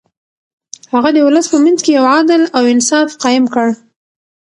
هغه د ولس په منځ کې يو عدل او انصاف قايم کړ.